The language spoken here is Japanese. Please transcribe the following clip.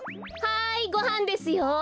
はいごはんですよ。